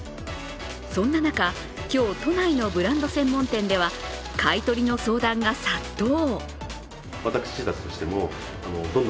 そんな中、今日、都内のブランド専門店では買い取りの相談が殺到。